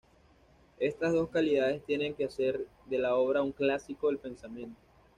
Estas dos calidades tienen que hacer de la obra un clásico del pensamiento.